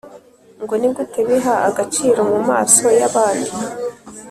Ngo nigute biha agaciro mu maso yabandi